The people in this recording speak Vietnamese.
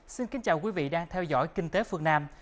xin kính chào quý vị đang theo dõi kinh tế phương nam